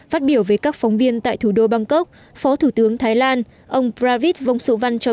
phát biểu với các phóng viên tại thủ đô bangkok phó thủ tướng thái lan ông pravid vongsuvan cho